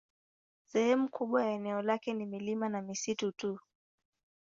Sehemu kubwa ya eneo lake ni milima na misitu tu.